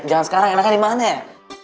jangan sekarang enaknya dimana ya